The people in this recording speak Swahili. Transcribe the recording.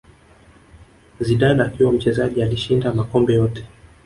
Zidane akiwa mchezaji alishinda makombe yote